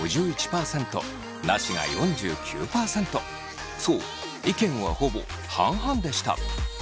結果はそう意見はほぼ半々でした。